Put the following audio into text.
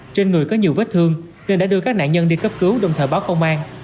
trên người có nhiều vết thương nên đã đưa các nạn nhân đi cấp cứu đồng thời báo công an